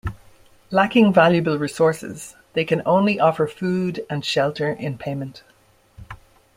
Lacking valuable resources, they can only offer food and shelter in payment.